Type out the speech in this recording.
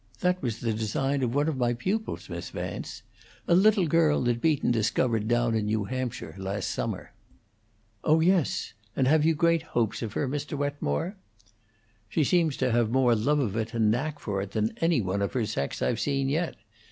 That was the design of one of my pupils, Miss Vance a little girl that Beaton discovered down in New Hampshire last summer." "Oh yes. And have you great hopes of her, Mr. Wetmore?" "She seems to have more love of it and knack for it than any one of her sex I've seen yet.